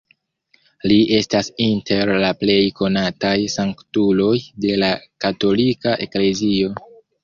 Li estas inter la plej konataj sanktuloj de la katolika eklezio.